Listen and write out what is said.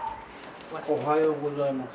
おはようございます。